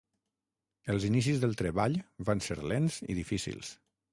Els inicis del treball van ser lents i difícils.